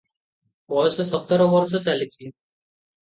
ବୟସ ସତର ବରଷ ଚାଲିଛି ।